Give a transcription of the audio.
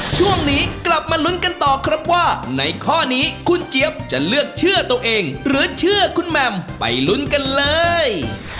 ช่วงนี้กลับมาลุ้นกันต่อครับว่าในข้อนี้คุณเจี๊ยบจะเลือกเชื่อตัวเองหรือเชื่อคุณแหม่มไปลุ้นกันเลย